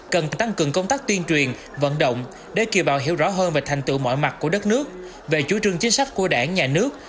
cần tăng cường công tác tuyên truyền vận động để kiều bào hiểu rõ hơn về thành tựu mọi mặt của đất nước về chú trương chính sách của đảng nhà nước